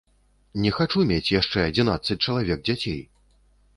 Не хачу мець яшчэ адзінаццаць чалавек дзяцей!